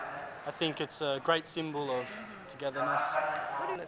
saya pikir ini adalah simbol yang besar untuk bersama